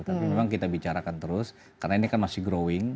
tapi memang kita bicarakan terus karena ini kan masih growing